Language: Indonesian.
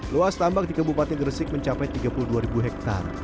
luas tambak di kabupaten gresik mencapai tiga puluh dua ribu hektare